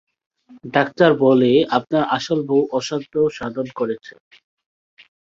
Doctor বলে " আপনার আসল বউ অসাধ্য সাধন করেছে।